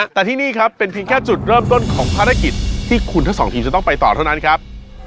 แต่ที่นี่ครับเป็นเพียงแค่จุดเริ่มต้นของภารกิจที่คุณทั้งสองทีมจะต้องไปต่อเท่านั้นครับ